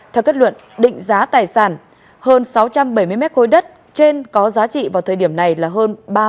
theo kết luận định giá tài sản hơn sáu trăm bảy mươi mét khối đất trên có giá trị vào thời điểm này là hơn ba mươi ba triệu đồng